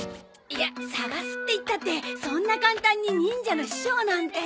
いや探すって言ったってそんな簡単に忍者の師匠なんて。